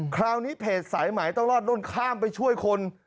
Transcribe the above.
คราวนี้เพจสายหมายต้องรอดนู่นข้ามไปช่วยคน